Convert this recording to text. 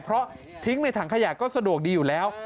เพราะทิ้งในถังขยะก็สะดวกดีอยู่แล้ว